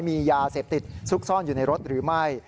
มียาเสพติดซุกซ่อนอยู่ในรถหรือไม่